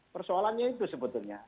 persoalannya itu sebetulnya